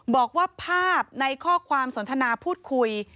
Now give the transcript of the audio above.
บอกว่าภาพในข้อความสนทนาพูดคุย